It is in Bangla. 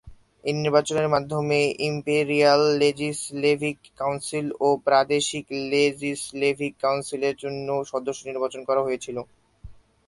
এ নির্বাচনের মাধ্যমে "ইম্পেরিয়াল লেজিসলেটিভ কাউন্সিল" ও "প্রাদেশিক লেজিসলেটিভ কাউন্সিলের" জন্য সদস্য নির্বাচন করা হয়েছিল।